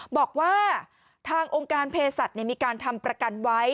บอกว่าทางองค์การเพศสัตว์มีการทำประกันไว้